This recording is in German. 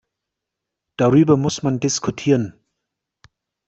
Darüber muss man diskutieren.